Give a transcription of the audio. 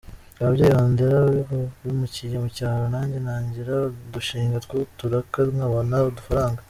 Ababyeyi bandera bimukiye mu cyaro, nanjye ntangira udushinga tw’uturaka nkabona udufaranga.